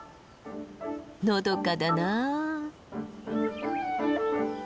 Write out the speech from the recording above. のどかだな。